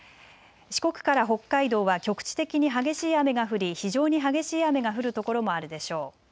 四国から北海道は局地的に激しい雨が降り非常に激しい雨が降る所もあるでしょう。